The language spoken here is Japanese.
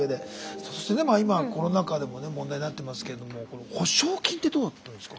そしてねまあ今コロナ禍でもね問題になってますけれども補償金ってどうだったんですか？